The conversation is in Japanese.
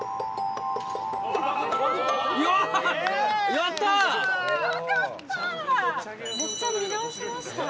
やった！